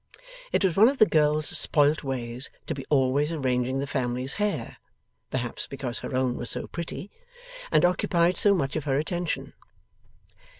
It was one of the girl's spoilt ways to be always arranging the family's hair perhaps because her own was so pretty, and occupied so much of her attention.